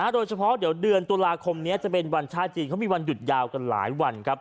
โดยเฉพาะเดี๋ยวเดือนตุลาคมนี้จะเป็นวันชาติจีนเขามีวันหยุดยาวกันหลายวันครับ